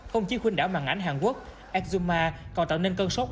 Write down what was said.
không chỉ khuyên đảo mạng ảnh hàn quốc exuma còn tạo nên cân sốt